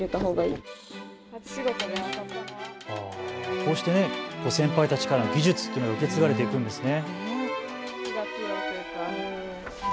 こうして先輩たちからの技術が受け継がれていくんですね。